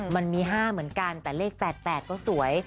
มันมี๕เหมือนกันแต่เลข๘๘ก็สวย